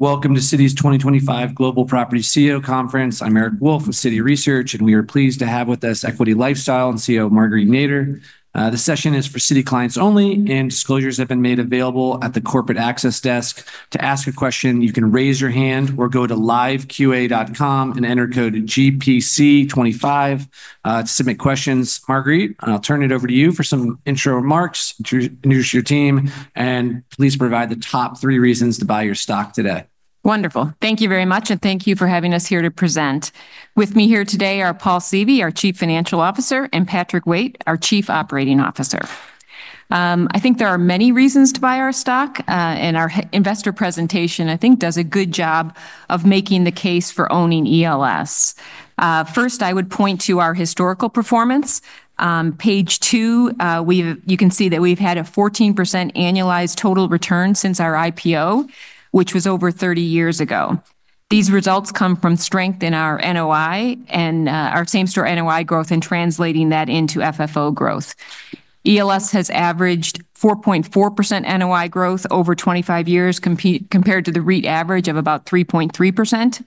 Welcome to Citi's 2025 Global Property CEO Conference. I'm Eric Wolfe with Citi Research, and we are pleased to have with us Equity LifeStyle CEO Marguerite Nader. The session is for Citi clients only, and disclosures have been made available at the Corporate Access Desk. To ask a question, you can raise your hand or go to live.qa.com and enter code GPC25 to submit questions. Marguerite, I'll turn it over to you for some intro remarks to introduce your team, and please provide the top three reasons to buy your stock today. Wonderful. Thank you very much, and thank you for having us here to present. With me here today are Paul Seavey, our Chief Financial Officer, and Patrick Waite, our Chief Operating Officer. I think there are many reasons to buy our stock, and our investor presentation, I think, does a good job of making the case for owning ELS. First, I would point to our historical performance. Page two, you can see that we've had a 14% annualized total return since our IPO, which was over 30 years ago. These results come from strength in our NOI and our same-store NOI growth, and translating that into FFO growth. ELS has averaged 4.4% NOI growth over 25 years compared to the REIT average of about 3.3%.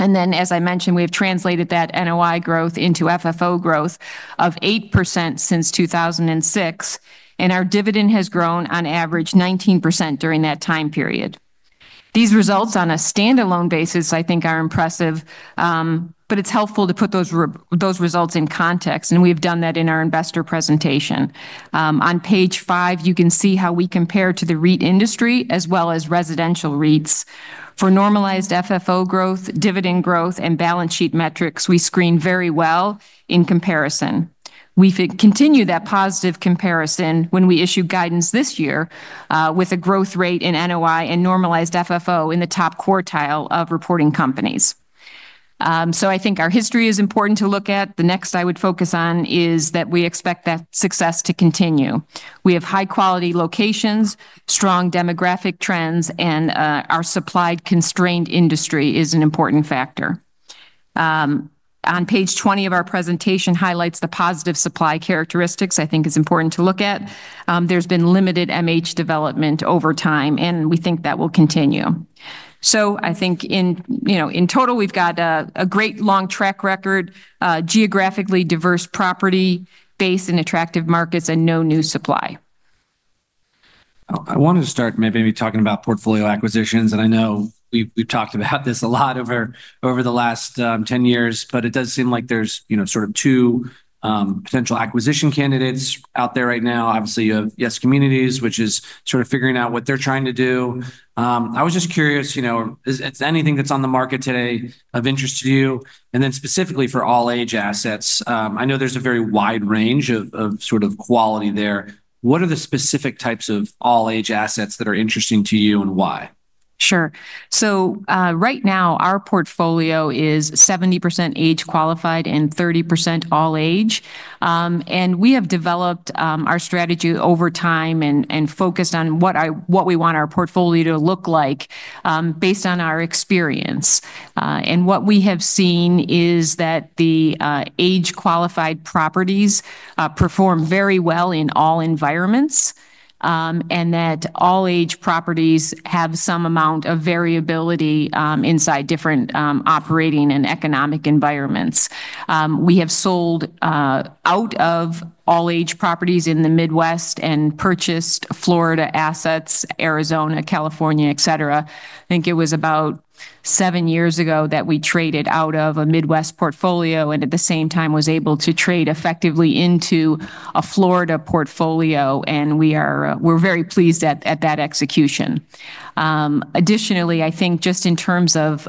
As I mentioned, we have translated that NOI growth into FFO growth of 8% since 2006, and our dividend has grown on average 19% during that time period. These results on a standalone basis, I think, are impressive, but it's helpful to put those results in context, and we've done that in our investor presentation. On page five, you can see how we compare to the REIT industry as well as residential REITs. For normalized FFO growth, dividend growth, and balance sheet metrics, we screen very well in comparison. We continue that positive comparison when we issue guidance this year with a growth rate in NOI and normalized FFO in the top quartile of reporting companies. I think our history is important to look at. The next I would focus on is that we expect that success to continue. We have high-quality locations, strong demographic trends, and our supply-constrained industry is an important factor. On page 20 of our presentation highlights the positive supply characteristics, I think it's important to look at. There's been limited MH development over time, and we think that will continue. So I think in total, we've got a great long track record, geographically diverse property, base in attractive markets, and no new supply. I wanted to start maybe talking about portfolio acquisitions, and I know we've talked about this a lot over the last 10 years, but it does seem like there's sort of two potential acquisition candidates out there right now. Obviously, you have YES Communities, which is sort of figuring out what they're trying to do. I was just curious, is anything that's on the market today of interest to you? And then specifically for all-age assets, I know there's a very wide range of sort of quality there. What are the specific types of all-age assets that are interesting to you and why? Sure. So right now, our portfolio is 70% age-qualified and 30% all-age. And we have developed our strategy over time and focused on what we want our portfolio to look like based on our experience. And what we have seen is that the age-qualified properties perform very well in all environments and that all-age properties have some amount of variability inside different operating and economic environments. We have sold out of all-age properties in the Midwest and purchased Florida assets, Arizona, California, et cetera. I think it was about seven years ago that we traded out of a Midwest portfolio and at the same time was able to trade effectively into a Florida portfolio, and we're very pleased at that execution. Additionally, I think just in terms of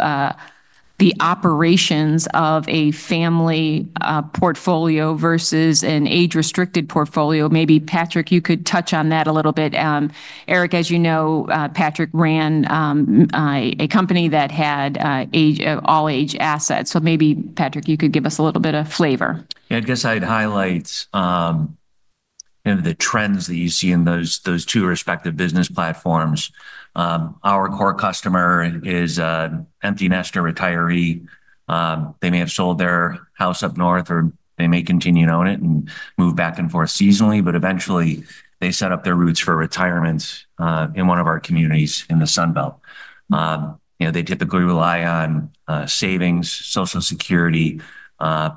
the operations of a family portfolio versus an age-restricted portfolio, maybe Patrick, you could touch on that a little bit. Eric, as you know, Patrick ran a company that had all-age assets. So maybe Patrick, you could give us a little bit of flavor. Yeah, I guess I'd highlight the trends that you see in those two respective business platforms. Our core customer is empty-nested retiree. They may have sold their house up north or they may continue to own it and move back and forth seasonally, but eventually they set up their roots for retirement in one of our communities in the Sunbelt. They typically rely on savings, Social Security,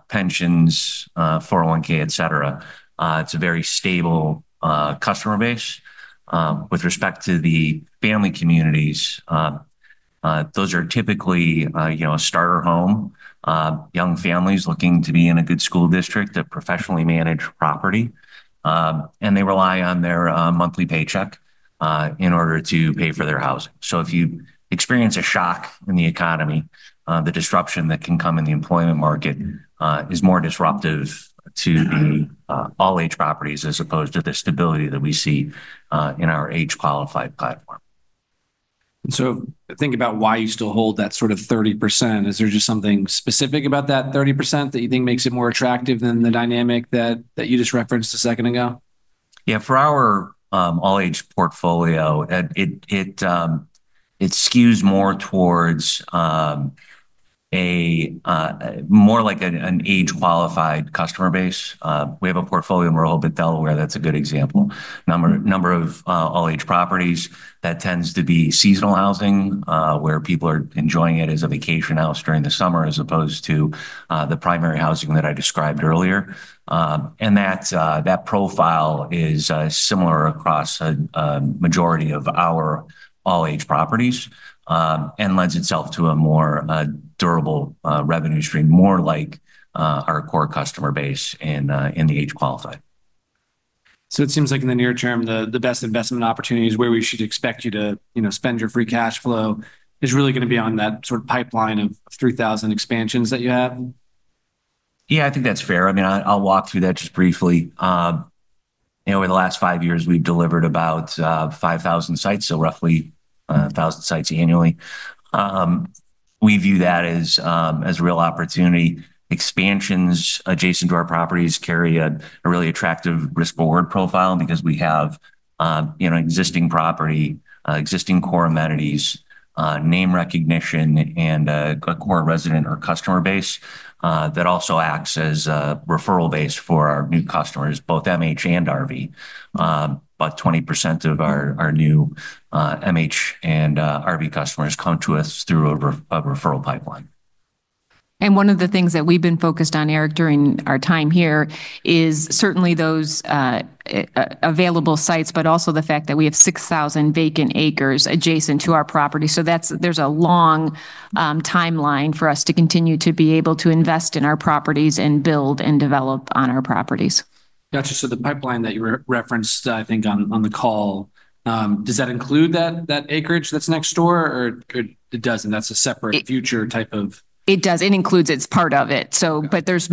pensions, 401(k), et cetera. It's a very stable customer base. With respect to the family communities, those are typically a starter home, young families looking to be in a good school district, a professionally managed property, and they rely on their monthly paycheck in order to pay for their housing. So if you experience a shock in the economy, the disruption that can come in the employment market is more disruptive to the all-age properties as opposed to the stability that we see in our age-qualified platform. So think about why you still hold that sort of 30%. Is there just something specific about that 30% that you think makes it more attractive than the dynamic that you just referenced a second ago? Yeah, for our all-age portfolio, it skews more towards more like an age-qualified customer base. We have a portfolio in rural Bethel where that's a good example, number of all-age properties. That tends to be seasonal housing where people are enjoying it as a vacation house during the summer as opposed to the primary housing that I described earlier, and that profile is similar across a majority of our all-age properties and lends itself to a more durable revenue stream, more like our core customer base in the age-qualified. So it seems like in the near term, the best investment opportunities where we should expect you to spend your free cash flow is really going to be on that sort of pipeline of 3,000 expansions that you have? Yeah, I think that's fair. I mean, I'll walk through that just briefly. Over the last five years, we've delivered about 5,000 sites, so roughly 1,000 sites annually. We view that as real opportunity. Expansions adjacent to our properties carry a really attractive risk-reward profile because we have an existing property, existing core amenities, name recognition, and a core resident or customer base that also acts as a referral base for our new customers, both MH and RV. About 20% of our new MH and RV customers come to us through a referral pipeline. One of the things that we've been focused on, Eric, during our time here is certainly those available sites, but also the fact that we have 6,000 vacant acres adjacent to our property. There's a long timeline for us to continue to be able to invest in our properties and build and develop on our properties. Gotcha. So the pipeline that you referenced, I think, on the call, does that include that acreage that's next door or it doesn't? That's a separate future type of... It does. It includes. It's part of it. But there's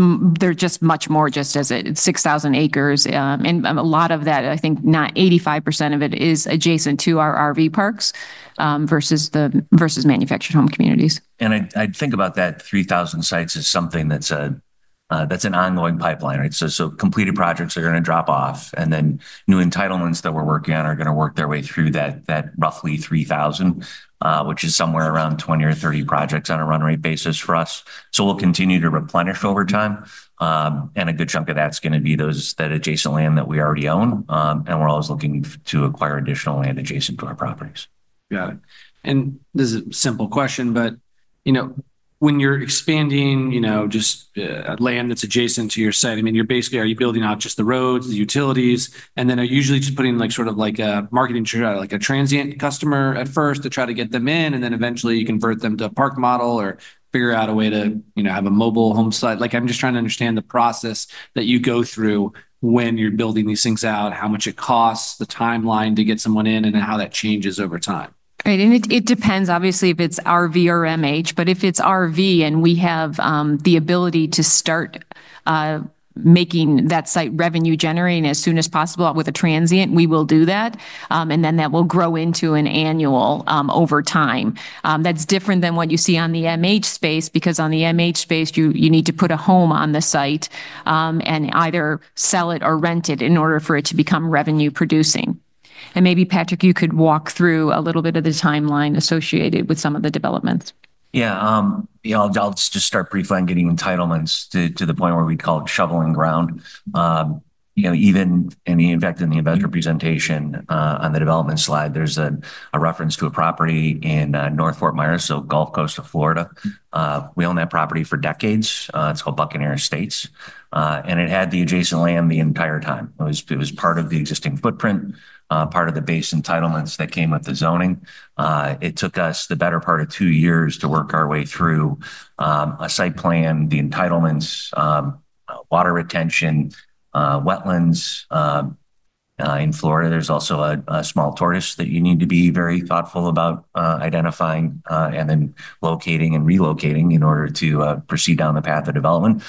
just much more, just as it's 6,000 acres, and a lot of that, I think, not 85% of it is adjacent to our RV parks versus manufactured home communities. I think about that 3,000 sites as something that's an ongoing pipeline, right? Completed projects are going to drop off, and then new entitlements that we're working on are going to work their way through that roughly 3,000, which is somewhere around 20 or 30 projects on a run rate basis for us. We'll continue to replenish over time, and a good chunk of that's going to be that adjacent land that we already own, and we're always looking to acquire additional land adjacent to our properties. Got it. And this is a simple question, but when you're expanding just land that's adjacent to your site, I mean, you're basically, are you building out just the roads, the utilities, and then are you usually just putting sort of like a marketing trip, like a transient customer at first to try to get them in, and then eventually you convert them to a park model or figure out a way to have a mobile home site? I'm just trying to understand the process that you go through when you're building these things out, how much it costs, the timeline to get someone in, and how that changes over time. Right, and it depends, obviously, if it's RV or MH, but if it's RV and we have the ability to start making that site revenue-generating as soon as possible with a transient, we will do that, and then that will grow into an annual over time. That's different than what you see on the MH space because on the MH space, you need to put a home on the site and either sell it or rent it in order for it to become revenue-producing, and maybe, Patrick, you could walk through a little bit of the timeline associated with some of the developments. Yeah. I'll just start briefly on getting entitlements to the point where we call it shovel in ground. Even in the investor presentation on the development slide, there's a reference to a property in North Fort Myers, so Gulf Coast of Florida. We own that property for decades. It's called Buccaneer Estates, and it had the adjacent land the entire time. It was part of the existing footprint, part of the base entitlements that came with the zoning. It took us the better part of two years to work our way through a site plan, the entitlements, water retention, wetlands. In Florida, there's also a small tortoise that you need to be very thoughtful about identifying and then locating and relocating in order to proceed down the path of development.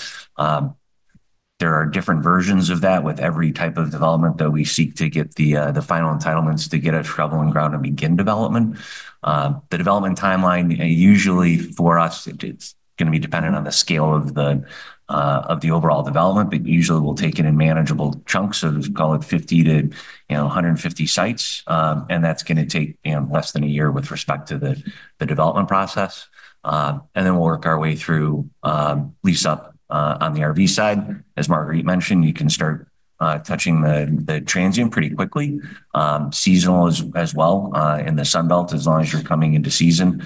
There are different versions of that with every type of development that we seek to get the final entitlements to get a shovel-ready ground and begin development. The development timeline usually for us, it's going to be dependent on the scale of the overall development, but usually we'll take it in manageable chunks, so we'll call it 50-150 sites, and that's going to take less than a year with respect to the development process, and then we'll work our way through lease-up on the RV side. As Marguerite mentioned, you can start tapping the transient pretty quickly. Seasonals as well in the Sunbelt, as long as you're coming into season.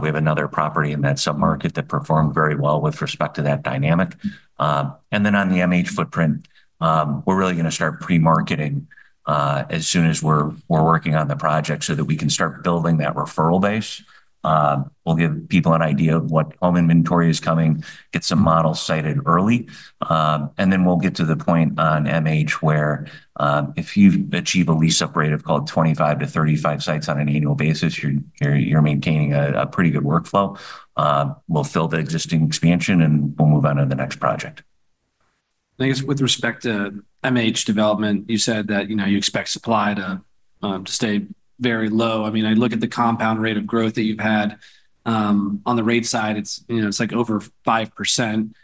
We have another property in that submarket that performed very well with respect to that dynamic. And then on the MH footprint, we're really going to start pre-marketing as soon as we're working on the project so that we can start building that referral base. We'll give people an idea of what home inventory is coming, get some models sited early, and then we'll get to the point on MH where if you achieve a lease-up rate of 25-35 sites on an annual basis, you're maintaining a pretty good workflow. We'll fill the existing expansion and we'll move on to the next project. I guess with respect to MH development, you said that you expect supply to stay very low. I mean, I look at the compound rate of growth that you've had. On the rate side, it's like over 5%.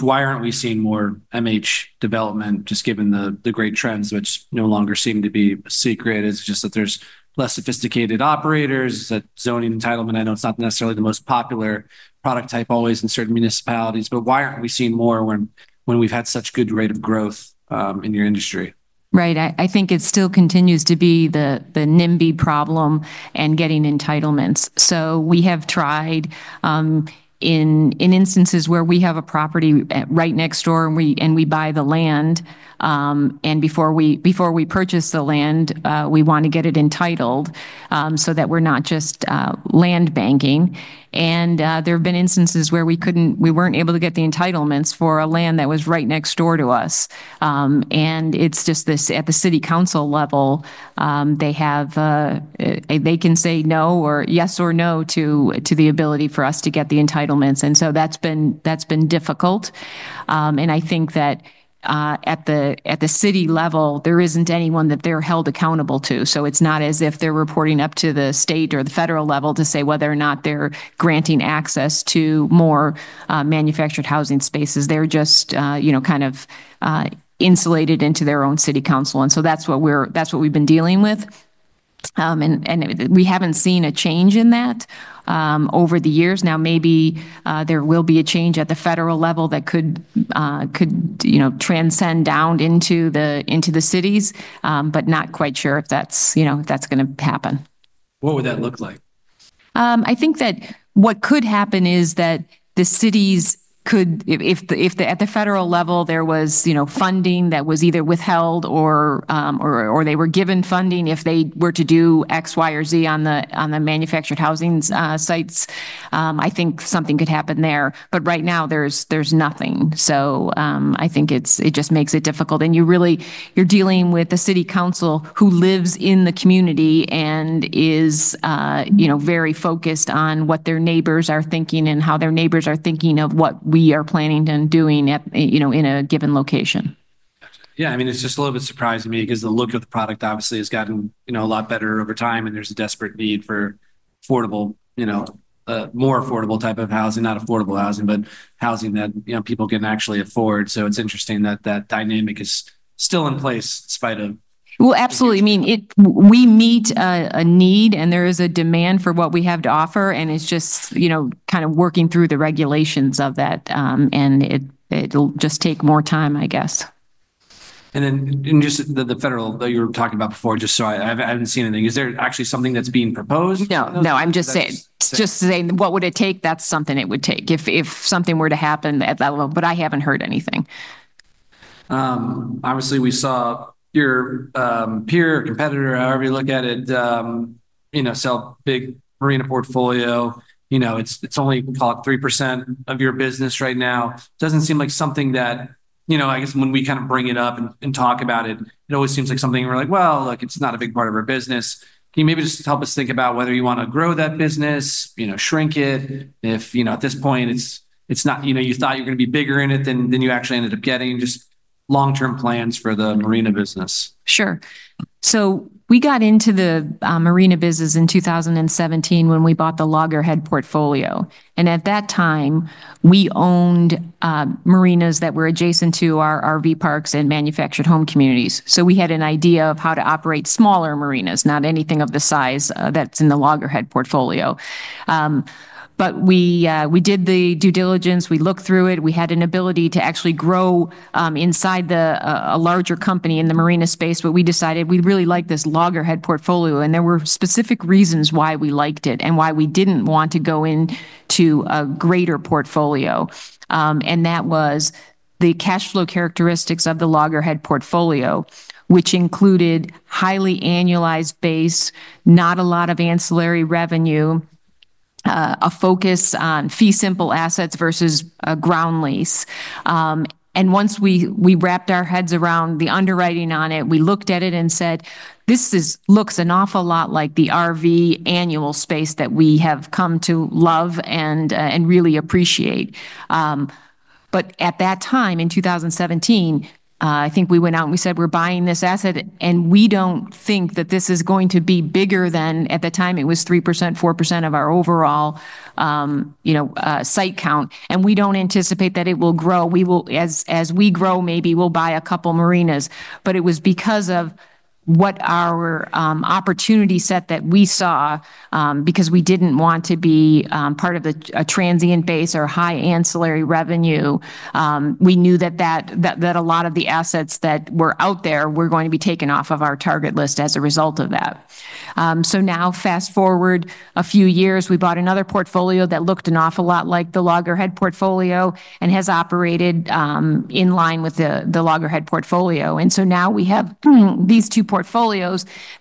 Why aren't we seeing more MH development just given the great trends, which no longer seem to be a secret? It's just that there's less sophisticated operators, that zoning entitlement. I know it's not necessarily the most popular product type always in certain municipalities, but why aren't we seeing more when we've had such good rate of growth in your industry? Right. I think it still continues to be the NIMBY problem and getting entitlements. So we have tried in instances where we have a property right next door and we buy the land, and before we purchase the land, we want to get it entitled so that we're not just land banking. And there have been instances where we weren't able to get the entitlements for a land that was right next door to us. And it's just this at the city council level, they can say no or yes or no to the ability for us to get the entitlements. And so that's been difficult. And I think that at the city level, there isn't anyone that they're held accountable to. So it's not as if they're reporting up to the state or the federal level to say whether or not they're granting access to more manufactured housing spaces. They're just kind of insulated into their own city council. And so that's what we've been dealing with. And we haven't seen a change in that over the years. Now, maybe there will be a change at the federal level that could transcend down into the cities, but not quite sure if that's going to happen. What would that look like? I think that what could happen is that the cities could, if at the federal level there was funding that was either withheld or they were given funding if they were to do X, Y, or Z on the manufactured housing sites, I think something could happen there. But right now, there's nothing. So I think it just makes it difficult. And you're dealing with a city council who lives in the community and is very focused on what their neighbors are thinking and how their neighbors are thinking of what we are planning and doing in a given location. Gotcha. Yeah. I mean, it's just a little bit surprising to me because the look of the product obviously has gotten a lot better over time, and there's a desperate need for more affordable type of housing, not affordable housing, but housing that people can actually afford. So it's interesting that that dynamic is still in place in spite of. Absolutely. I mean, we meet a need, and there is a demand for what we have to offer, and it's just kind of working through the regulations of that, and it'll just take more time, I guess. And then just the federal that you were talking about before, just so I haven't seen anything. Is there actually something that's being proposed? No, no. I'm just saying what would it take? That's something it would take if something were to happen at that level, but I haven't heard anything. Obviously, we saw your peer or competitor, however you look at it, sell big marina portfolio. It's only, call it 3% of your business right now. Doesn't seem like something that, I guess when we kind of bring it up and talk about it, it always seems like something we're like, well, look, it's not a big part of our business. Can you maybe just help us think about whether you want to grow that business, shrink it? If at this point, it's not you thought you're going to be bigger in it than you actually ended up getting, just long-term plans for the marina business. Sure. So we got into the marina business in 2017 when we bought the Loggerhead portfolio. And at that time, we owned marinas that were adjacent to our RV parks and manufactured home communities. So we had an idea of how to operate smaller marinas, not anything of the size that's in the Loggerhead portfolio. But we did the due diligence. We looked through it. We had an ability to actually grow inside a larger company in the marina space, but we decided we really liked this Loggerhead portfolio, and there were specific reasons why we liked it and why we didn't want to go into a greater portfolio. And that was the cash flow characteristics of the Loggerhead portfolio, which included highly annualized base, not a lot of ancillary revenue, a focus on fee simple assets versus a ground lease. Once we wrapped our heads around the underwriting on it, we looked at it and said, this looks an awful lot like the RV annual space that we have come to love and really appreciate. At that time, in 2017, I think we went out and we said, we're buying this asset, and we don't think that this is going to be bigger than at the time it was 3%, 4% of our overall site count, and we don't anticipate that it will grow. As we grow, maybe we'll buy a couple of marinas, but it was because of what our opportunity set that we saw, because we didn't want to be part of a transient base or high ancillary revenue. We knew that a lot of the assets that were out there were going to be taken off of our target list as a result of that. So now, fast forward a few years, we bought another portfolio that looked an awful lot like the Loggerhead portfolio and has operated in line with the Loggerhead portfolio, and so now we have these two portfolios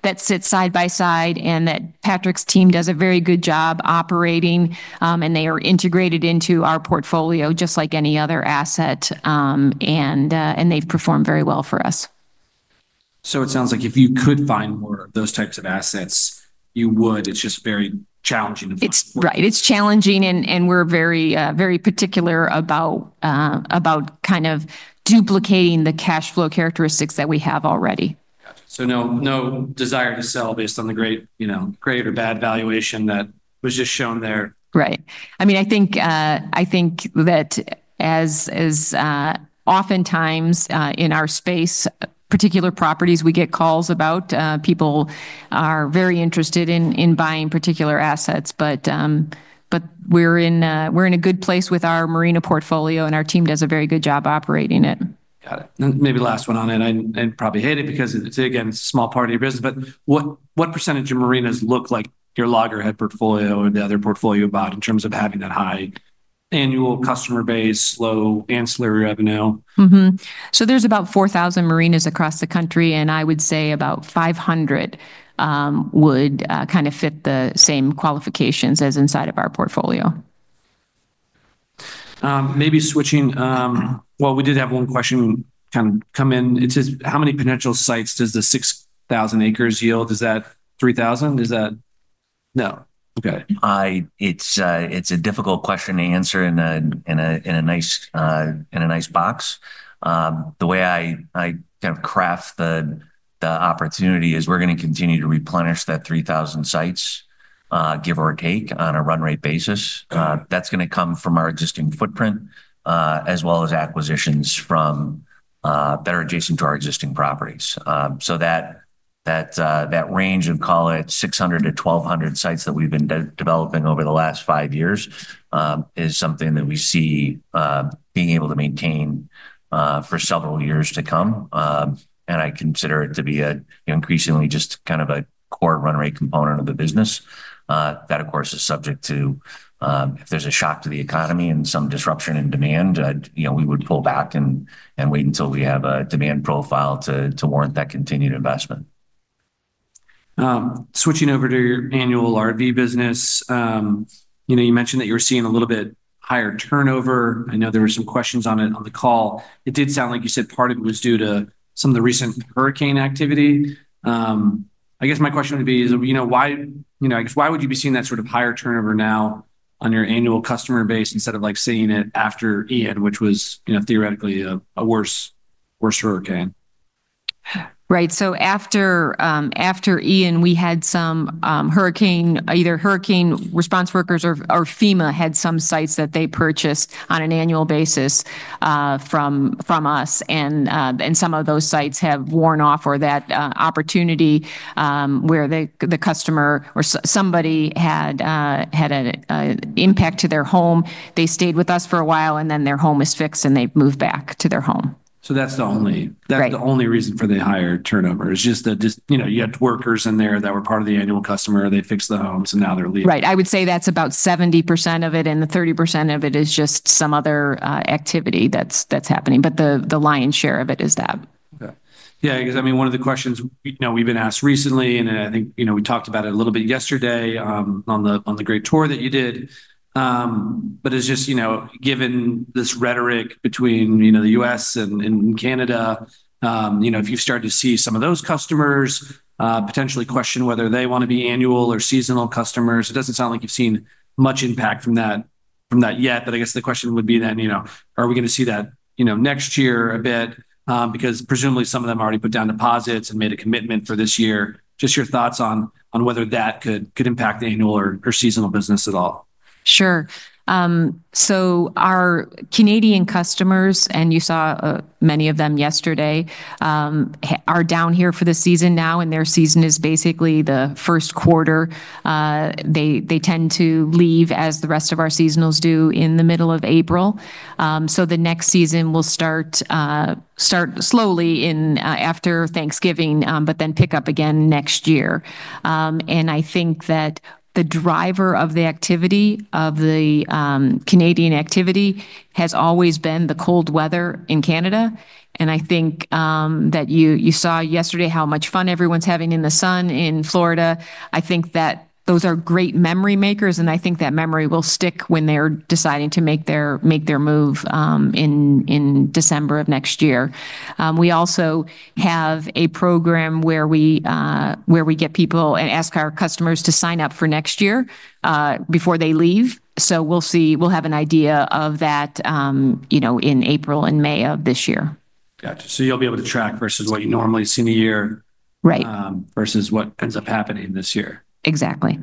that sit side by side and that Patrick's team does a very good job operating, and they are integrated into our portfolio just like any other asset, and they've performed very well for us. So it sounds like if you could find more of those types of assets, you would. It's just very challenging to find. Right. It's challenging, and we're very particular about kind of duplicating the cash flow characteristics that we have already. Gotcha. So no desire to sell based on the great or bad valuation that was just shown there. Right. I mean, I think that as oftentimes in our space, particular properties, we get calls about people are very interested in buying particular assets, but we're in a good place with our marina portfolio, and our team does a very good job operating it. Got it. And maybe last one on it, and I probably hate it because again, it's a small part of your business, but what percentage of marinas look like your Loggerhead portfolio or the other portfolio bought in terms of having that high annual customer base, low ancillary revenue? So there's about 4,000 marinas across the country, and I would say about 500 marinas would kind of fit the same qualifications as inside of our portfolio. Maybe switching. Well, we did have one question kind of come in. It says, "How many potential sites does the 6,000 acres yield? Is that 3,000? Is that?" No. Okay. It's a difficult question to answer in a nice box. The way I kind of craft the opportunity is we're going to continue to replenish that 3,000 sites, give or take on a run rate basis. That's going to come from our existing footprint as well as acquisitions that are adjacent to our existing properties. So that range of, call it 600-1,200 sites that we've been developing over the last five years is something that we see being able to maintain for several years to come. And I consider it to be an increasingly just kind of a core run rate component of the business. That, of course, is subject to if there's a shock to the economy and some disruption in demand, we would pull back and wait until we have a demand profile to warrant that continued investment. Switching over to your annual RV business, you mentioned that you were seeing a little bit higher turnover. I know there were some questions on the call. It did sound like you said part of it was due to some of the recent hurricane activity. I guess my question would be, why would you be seeing that sort of higher turnover now on your annual customer base instead of seeing it after Ian, which was theoretically a worse hurricane? Right, so after Ian, we had some hurricane, either hurricane response workers or FEMA had some sites that they purchased on an annual basis from us, and some of those sites have worn off or that opportunity where the customer or somebody had an impact to their home, they stayed with us for a while, and then their home is fixed and they've moved back to their home. So that's the only reason for the higher turnover. It's just that you had workers in there that were part of the annual customer. They fixed the home, so now they're leaving. Right. I would say that's about 70% of it, and the 30% of it is just some other activity that's happening. But the lion's share of it is that. Okay. Yeah. Because I mean, one of the questions we've been asked recently, and I think we talked about it a little bit yesterday on the great tour that you did, but it's just given this rhetoric between the U.S. and Canada, if you start to see some of those customers potentially question whether they want to be annual or seasonal customers, it doesn't sound like you've seen much impact from that yet. But I guess the question would be then, are we going to see that next year a bit? Because presumably some of them already put down deposits and made a commitment for this year. Just your thoughts on whether that could impact the annual or seasonal business at all. Sure. So our Canadian customers, and you saw many of them yesterday, are down here for the season now, and their season is basically the first quarter. They tend to leave as the rest of our seasonals do in the middle of April. So the next season will start slowly after Thanksgiving, but then pick up again next year. And I think that the driver of the activity of the Canadian activity has always been the cold weather in Canada. And I think that you saw yesterday how much fun everyone's having in the sun in Florida. I think that those are great memory makers, and I think that memory will stick when they're deciding to make their move in December of next year. We also have a program where we get people and ask our customers to sign up for next year before they leave. So we'll have an idea of that in April and May of this year. Gotcha. So you'll be able to track versus what you normally see in a year versus what ends up happening this year. Exactly.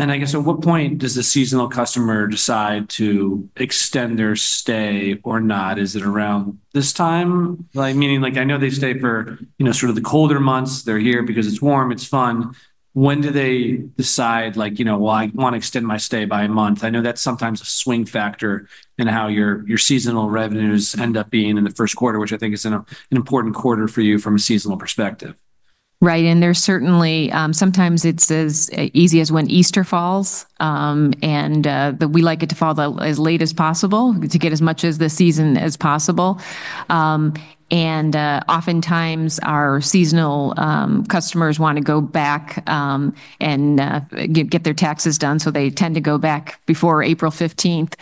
I guess at what point does the seasonal customer decide to extend their stay or not? Is it around this time? Meaning, I know they stay for sort of the colder months. They're here because it's warm. It's fun. When do they decide, well, I want to extend my stay by a month? I know that's sometimes a swing factor in how your seasonal revenues end up being in the first quarter, which I think is an important quarter for you from a seasonal perspective. Right. And there's certainly sometimes it's as easy as when Easter falls, and we like it to fall as late as possible to get as much of the season as possible. And oftentimes, our seasonal customers want to go back and get their taxes done. So they tend to go back before April 15th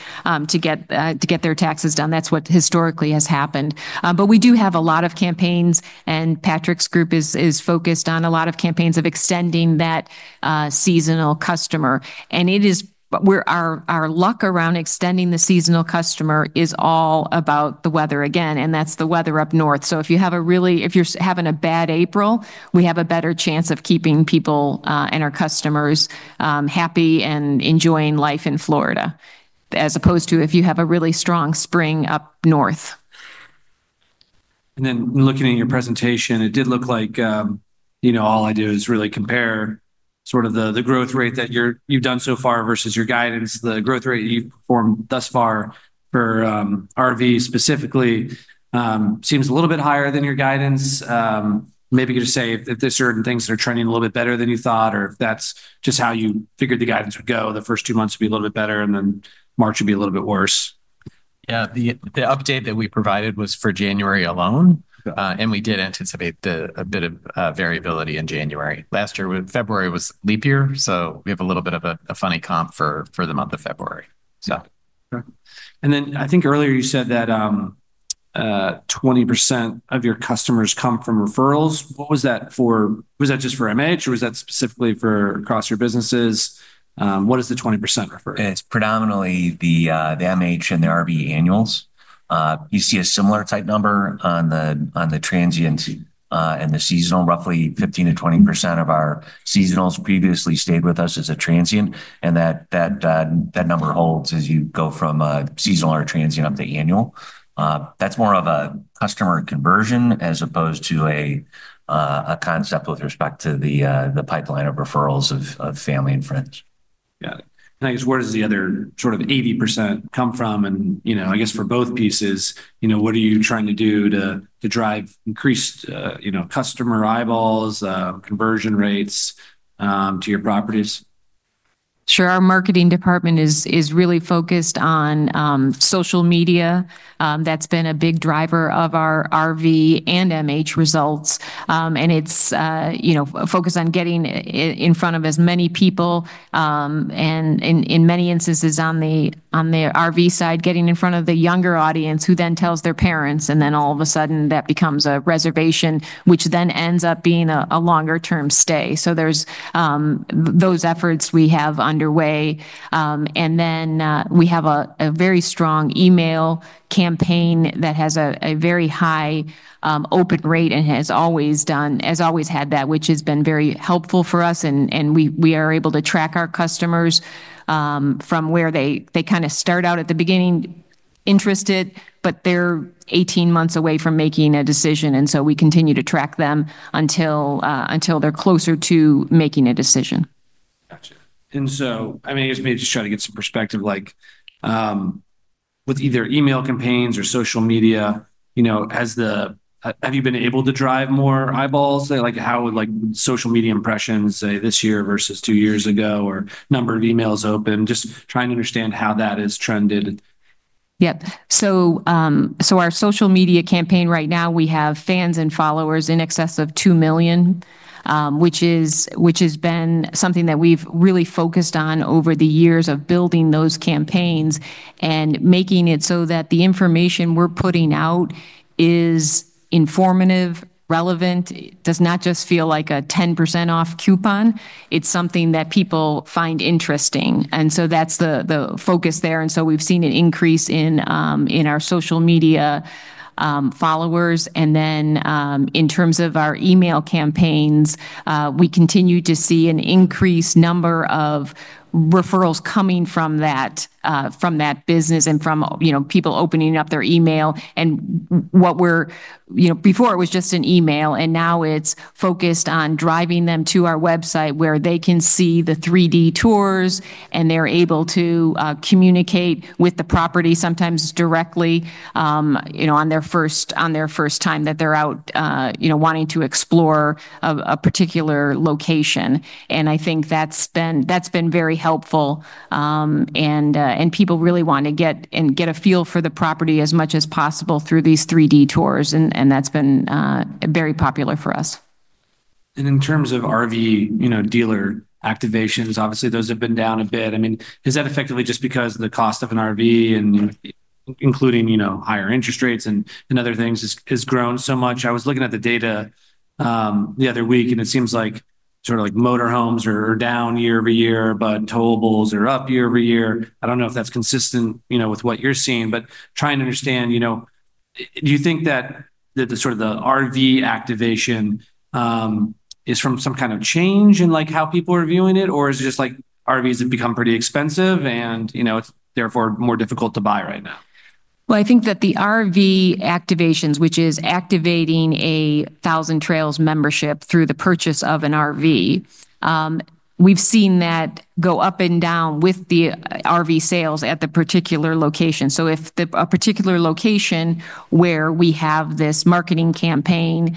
to get their taxes done. That's what historically has happened. But we do have a lot of campaigns, and Patrick's group is focused on a lot of campaigns of extending that seasonal customer. And our luck around extending the seasonal customer is all about the weather again, and that's the weather up north. So if you're having a bad April, we have a better chance of keeping people and our customers happy and enjoying life in Florida, as opposed to if you have a really strong spring up north. And then, looking at your presentation, it did look like all I do is really compare sort of the growth rate that you've done so far versus your guidance. The growth rate you've performed thus far for RV specifically seems a little bit higher than your guidance. Maybe you could just say if there's certain things that are trending a little bit better than you thought, or if that's just how you figured the guidance would go, the first two months would be a little bit better, and then March would be a little bit worse. Yeah. The update that we provided was for January alone, and we did anticipate a bit of variability in January. Last year, February was leap year, so we have a little bit of a funny comp for the month of February, so. Okay. And then I think earlier you said that 20% of your customers come from referrals. What was that for? Was that just for MH, or was that specifically for across your businesses? What does the 20% refer to? It's predominantly the MH and the RV annuals. You see a similar type number on the transient and the seasonal. Roughly 15%-20% of our seasonals previously stayed with us as a transient, and that number holds as you go from seasonal or transient up to annual. That's more of a customer conversion as opposed to a concept with respect to the pipeline of referrals of family and friends. Got it, and I guess where does the other sort of 80% come from, and I guess for both pieces, what are you trying to do to drive increased customer eyeballs, conversion rates to your properties? Sure. Our marketing department is really focused on social media. That's been a big driver of our RV and MH results. And it's focused on getting in front of as many people, and in many instances on the RV side, getting in front of the younger audience who then tells their parents, and then all of a sudden that becomes a reservation, which then ends up being a longer-term stay. So there's those efforts we have underway. And then we have a very strong email campaign that has a very high open rate and has always had that, which has been very helpful for us. And we are able to track our customers from where they kind of start out at the beginning interested, but they're 18 months away from making a decision. And so we continue to track them until they're closer to making a decision. Gotcha. And so, I mean, I guess maybe just try to get some perspective. With either email campaigns or social media, have you been able to drive more eyeballs? How would social media impressions, say, this year versus two years ago, or number of emails open? Just trying to understand how that has trended. Yep. So our social media campaign right now, we have fans and followers in excess of two million, which has been something that we've really focused on over the years of building those campaigns and making it so that the information we're putting out is informative, relevant. It does not just feel like a 10% off coupon. It's something that people find interesting. And so that's the focus there. And so we've seen an increase in our social media followers. And then in terms of our email campaigns, we continue to see an increased number of referrals coming from that business and from people opening up their email. And what we were doing before it was just an email, and now it's focused on driving them to our website where they can see the 3D tours, and they're able to communicate with the property sometimes directly on their first time that they're out wanting to explore a particular location. And I think that's been very helpful. And people really want to get a feel for the property as much as possible through these 3D tours, and that's been very popular for us. In terms of RV dealer activations, obviously those have been down a bit. I mean, is that effectively just because the cost of an RV, including higher interest rates and other things, has grown so much? I was looking at the data the other week, and it seems like sort of like motor homes are down year-over-year, but towables are up year-over-year. I don't know if that's consistent with what you're seeing, but trying to understand, do you think that sort of the RV activation is from some kind of change in how people are viewing it, or is it just like RVs have become pretty expensive and therefore more difficult to buy right now? I think that the RV activations, which is activating a Thousand Trails membership through the purchase of an RV, we've seen that go up and down with the RV sales at the particular location. So if a particular location where we have this marketing campaign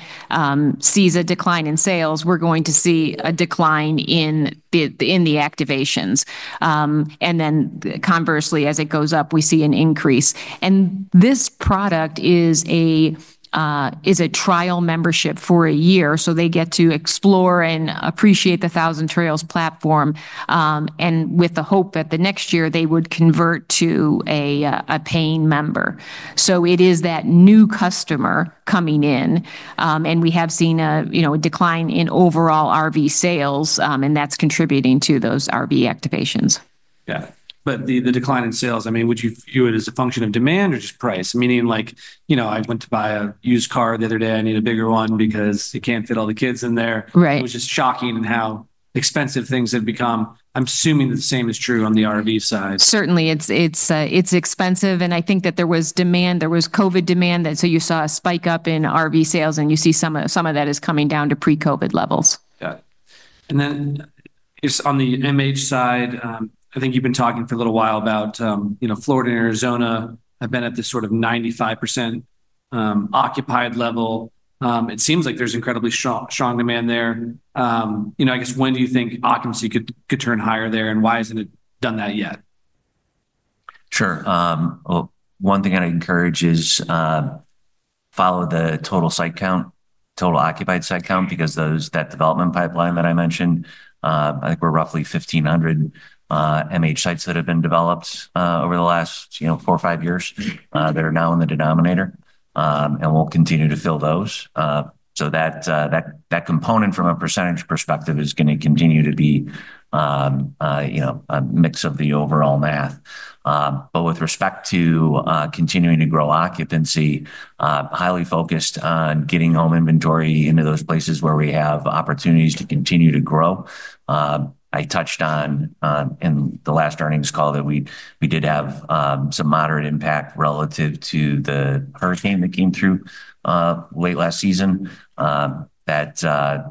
sees a decline in sales, we're going to see a decline in the activations. And then conversely, as it goes up, we see an increase. And this product is a trial membership for a year. So they get to explore and appreciate the Thousand Trails platform and with the hope that the next year they would convert to a paying member. So it is that new customer coming in, and we have seen a decline in overall RV sales, and that's contributing to those RV activations. Yeah, but the decline in sales, I mean, would you view it as a function of demand or just price? Meaning, I went to buy a used car the other day. I need a bigger one because it can't fit all the kids in there. It was just shocking in how expensive things have become. I'm assuming that the same is true on the RV side. Certainly. It's expensive, and I think that there was demand. There was COVID demand. So you saw a spike up in RV sales, and you see some of that is coming down to pre-COVID levels. Got it. And then on the MH side, I think you've been talking for a little while about Florida and Arizona. I've been at this sort of 95% occupied level. It seems like there's incredibly strong demand there. I guess when do you think occupancy could turn higher there, and why hasn't it done that yet? Sure. One thing I'd encourage is follow the total site count, total occupied site count, because that development pipeline that I mentioned, I think we're roughly 1,500 MH sites that have been developed over the last four or five years. They're now in the denominator, and we'll continue to fill those. So that component from a percentage perspective is going to continue to be a mix of the overall math. But with respect to continuing to grow occupancy, highly focused on getting home inventory into those places where we have opportunities to continue to grow. I touched on in the last earnings call that we did have some moderate impact relative to the hurricane that came through late last season. That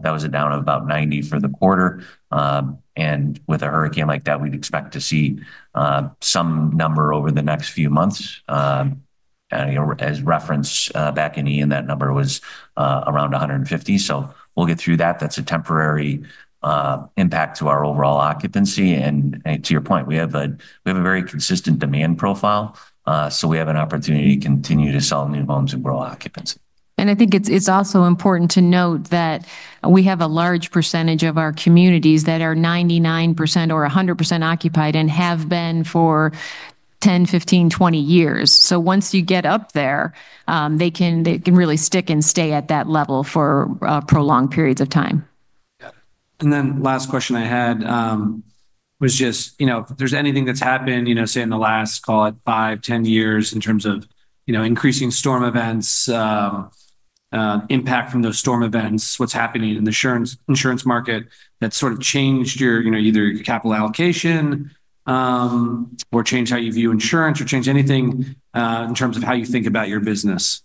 was a down of about 90 for the quarter. And with a hurricane like that, we'd expect to see some number over the next few months. As referenced back in the end, that number was around 150, so we'll get through that. That's a temporary impact to our overall occupancy, and to your point, we have a very consistent demand profile, so we have an opportunity to continue to sell new homes and grow occupancy. And I think it's also important to note that we have a large percentage of our communities that are 99% or 100% occupied and have been for 10 years, 15 years, 20 years. So once you get up there, they can really stick and stay at that level for prolonged periods of time. Got it. And then last question I had was just if there's anything that's happened, say in the last, call it five, 10 years in terms of increasing storm events, impact from those storm events, what's happening in the insurance market that's sort of changed either your capital allocation or changed how you view insurance or changed anything in terms of how you think about your business?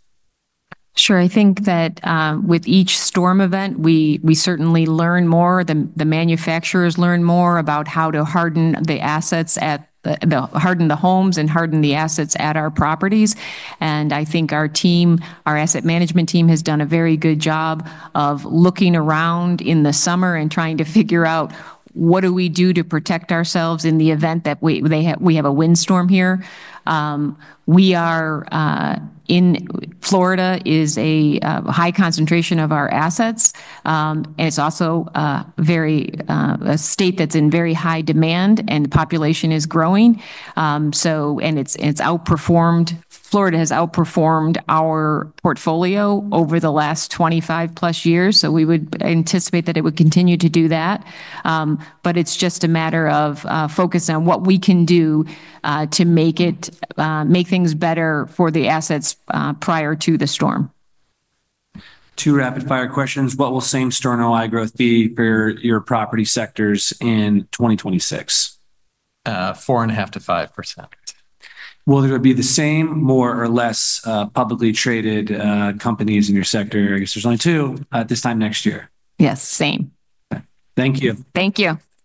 Sure. I think that with each storm event, we certainly learn more. The manufacturers learn more about how to harden the assets, harden the homes, and harden the assets at our properties. And I think our team, our asset management team, has done a very good job of looking around in the summer and trying to figure out what do we do to protect ourselves in the event that we have a windstorm here. Florida is a high concentration of our assets. It's also a state that's in very high demand, and the population is growing. And Florida has outperformed our portfolio over the last 25+ years. So we would anticipate that it would continue to do that. But it's just a matter of focusing on what we can do to make things better for the assets prior to the storm. Two rapid-fire questions. What will same-store NOI growth be for your property sectors in 2026? 4.5%-5%. Will there be the same, more or less publicly traded companies in your sector? I guess there's only two at this time next year. Yes. Same. Okay. Thank you. Thank you.